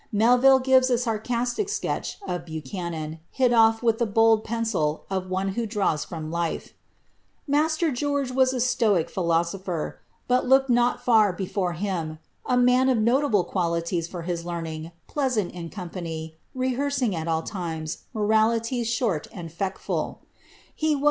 Melville gives a sarcastic sketch of Buchanan, hit off with the bold pencil of one who draws from the life. Master George was a stoic philosopher, but looked not far before him; a man of notable qualities for his learning, pleasant in company, rehears mortal wound in the back, from one captain Calder.